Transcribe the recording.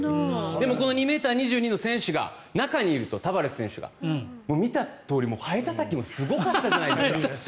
でもこの２ｍ２２ｃｍの選手が中にいるとタバレス選手が見たとおり、ハエたたきもすごかったじゃないですか。